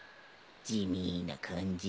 地味な感じ。